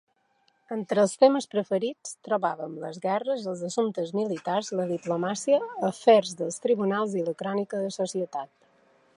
Entre els temes preferits trobàvem les guerres, els assumptes militars, la diplomàcia, afers dels tribunals i la crònica de societat.